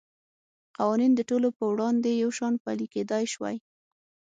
قوانین د ټولو په وړاندې یو شان پلی کېدای شوای.